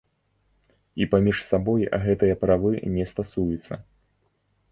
І паміж сабой гэтыя правы не стасуюцца.